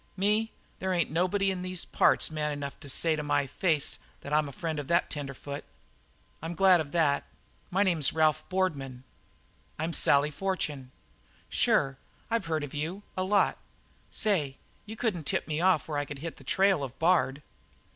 "Me? There ain't nobody around these parts man enough to say to my face that I'm a friend of that tenderfoot." "I'm glad of that. My name's Ralph Boardman." "I'm Sally Fortune." "Sure; I've heard of you a lot. Say, you couldn't tip me off where I could hit the trail of Bard?"